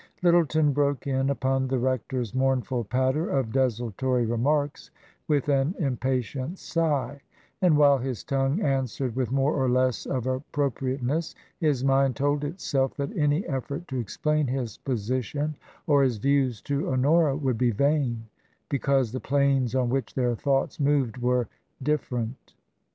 Lyttleton broke in upon the rector's mournful patter of desultory remarks with an impatient sigh ; and while his tongue answered with more or less of appropriate ness, his mind told itself that any effort to explain his position or his views to Honora would be vain, be cause the planes on which their thoughts moved were different.